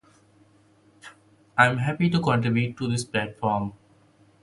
l am happy to contribute to this platform